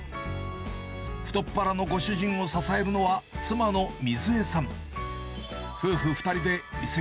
太っ腹のご主人を支えるのは、妻の瑞枝さん。